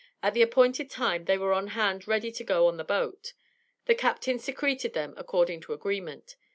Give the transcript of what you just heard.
At the appointed time they were on hand ready to go on the boat; the captain secreted them, according to agreement.